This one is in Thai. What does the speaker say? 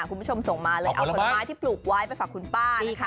คุณผู้ชมส่งมาเลยเอาผลไม้ที่ปลูกไว้ไปฝากคุณป้านี่ค่ะ